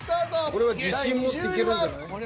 これは自信もっていける。